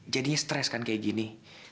jadinya stres kan kayak gini